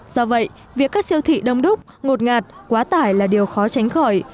do vậy việc các siêu thị đông đúc ngột ngạt quá tải là điều khó tránh khỏi